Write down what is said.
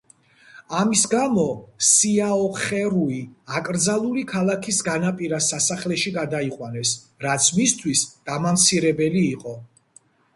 ამის გამო სიაოხერუი აკრძალული ქალაქის განაპირა სასახლეში გადაიყვანეს, რაც მისთვის დამამცირებელი იყო.